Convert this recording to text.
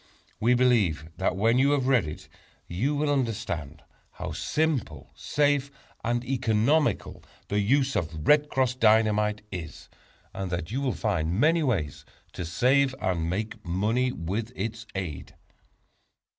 We believe that when you have read it you will understand how simple, safe and economical the use of "Red Cross" Dynamite is, and that you will find many ways to save and make money with its aid.